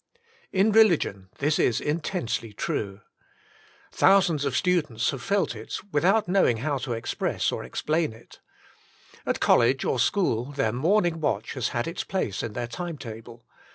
In religion this is intensely true. Thousands of "3 114 The Inner Chamber students have felt it, without knowing how to express or explain it. At college or school their morning watch has had its place in their time table.